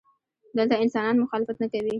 دلته انسانان مخالفت نه کوي.